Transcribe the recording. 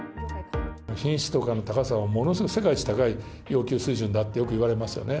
品質とかの高さはものすごい、世界一高い要求水準だってよくいわれますよね。